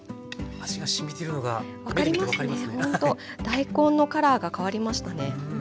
大根のカラーが変わりましたね。